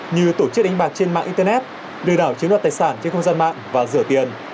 như tổ chức đánh bạc trên mạng internet lừa đảo chiếm đoạt tài sản trên không gian mạng và rửa tiền